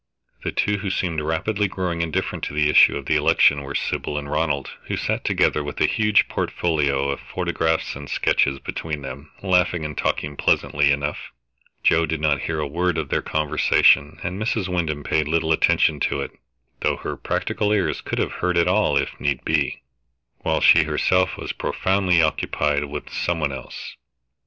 The two who seemed rapidly growing indifferent to the issue of the election were Sybil and Ronald, who sat together with a huge portfolio of photographs and sketches between them, laughing and talking pleasantly enough. Joe did not hear a word of their conversation, and Mrs. Wyndham paid little attention to it, though her practiced ears could have heard it all if need be, while she herself was profoundly occupied with some one else.